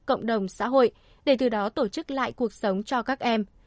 cộng đồng xã hội để từ đó tổ chức lại cuộc sống cho các em